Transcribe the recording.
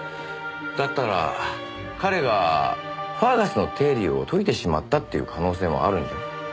だったら彼がファーガスの定理を解いてしまったっていう可能性もあるんじゃ。